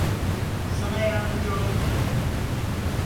Sana yardımcı olabilir miyim?